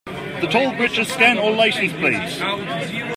The toll bridges scan all license plates.